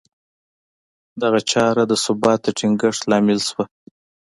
دغه چاره د ثبات د ټینګښت لامل شوه